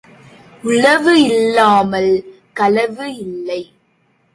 உளவு இல்லாமல் களவு இல்லை.